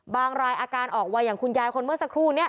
รายอาการออกมาอย่างคุณยายคนเมื่อสักครู่นี้